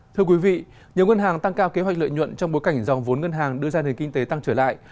thưa quý vị nhiều ngân hàng tăng cao kế hoạch lợi nhuận trong bối cảnh dòng vốn ngân hàng đưa ra nền kinh tế tăng trở lại